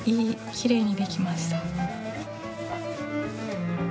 きれいにできました。